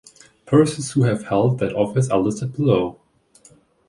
Persons who have held that office are listed below.